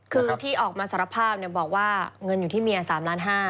คือที่ออกมาสารภาพบอกว่าเงินอยู่ที่เมีย๓ล้าน๕